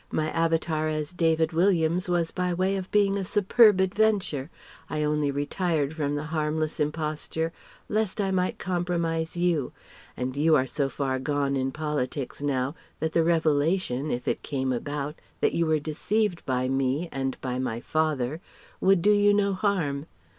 My avatar as David Williams was by way of being a superb adventure. I only retired from the harmless imposture lest I might compromise you, and you are so far gone in politics now that the revelation if it came about that you were deceived by me and by my "father" would do you no harm.